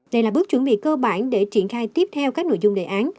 đây là bước chuẩn bị cơ bản để triển khai tiếp theo các nội dung đề án